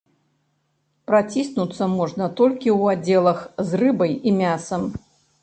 Праціснуцца можна толькі ў аддзелах з рыбай і мясам.